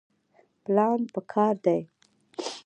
پلان پکار دی